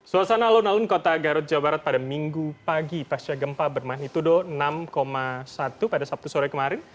suasana alun alun kota garut jawa barat pada minggu pagi pasca gempa bermagnitudo enam satu pada sabtu sore kemarin